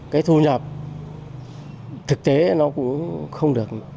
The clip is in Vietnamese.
cái thu nhập thực tế nó cũng không được như mình mong muốn